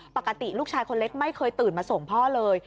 ปกติลูกชายคนเล็กไม่เคยตื่นมาส่งพ่อเลย